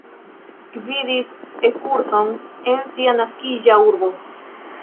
Gvidis E-kurson en sia naskiĝa urbo.